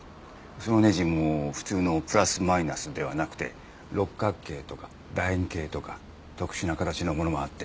そのネジも普通のプラスマイナスではなくて六角形とか楕円形とか特殊な形のものもあって。